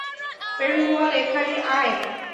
পেরুমল, এখানে আয়।